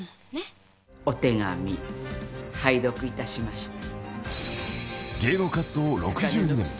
「お手紙拝読いたしました」